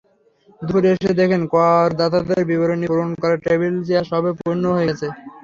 দুপুরে এসে দেখেন, করদাতাদের বিবরণী পূরণ করার টেবিল-চেয়ার সবই পূর্ণ হয়ে আছে।